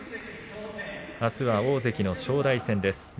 あすは大関正代戦です。